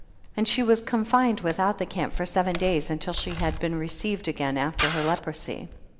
32. And she was confined without the camp for seven days, until she had been received again after her leprosy.